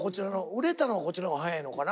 売れたのはこっちのが早いのかな？